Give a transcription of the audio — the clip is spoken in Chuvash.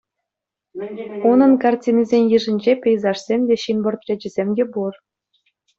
Унӑн картинисен йышӗнче пейзажсем те, ҫын портречӗсем те пур.